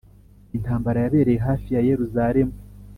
Intambara yabereye hafi ya Yeruzalemu